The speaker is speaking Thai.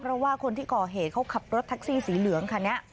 เพราะว่าคนที่ก่อเหตุเขาขับรถแท็กซี่สีเหลืองคันนี้